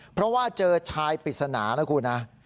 เพราะว่าเจอชายปริศนานะคุณนะ